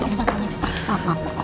sepatunya pak pak pak